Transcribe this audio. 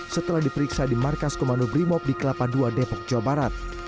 setelah diperiksa di markas komando brimob di kelapa dua depok jawa barat